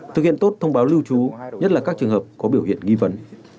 thực hiện tốt thông báo lưu trú nhất là các trường hợp có biểu hiện nghi vấn